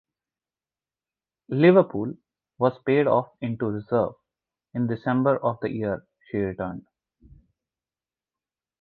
"Liverpool" was paid off into reserve in December of the year she returned.